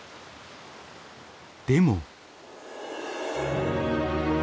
でも。